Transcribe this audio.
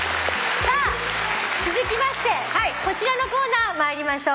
さあ続きましてこちらのコーナー参りましょう。